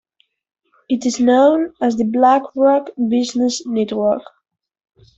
It is known as the Blackrock Business Network.